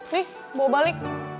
nih bawa balik